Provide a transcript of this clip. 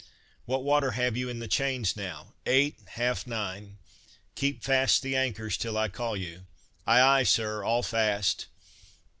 "What water have you in the chains now!" "Eight, half nine." "Keep fast the anchors till I call you." "Ay, ay, Sir, all fast!"